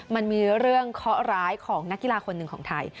มันมีเรื่องเคาะร้ายของนักกีฬาคนหนึ่งของไทย